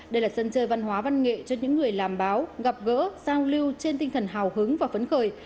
đây là sân chơi văn hóa văn nghệ cho những người làm báo gặp gỡ giao lưu trên tinh thần hào hứng và phấn khởi